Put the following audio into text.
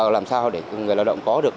làm sao để người lao động có được